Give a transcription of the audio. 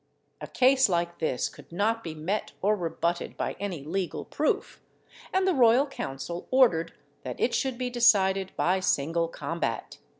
A case like this could not be met or rebutted by any legal proof, and the royal council ordered that it should be decided by single combat.